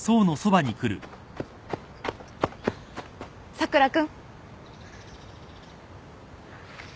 佐倉君。